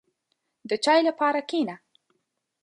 • د چای لپاره کښېنه.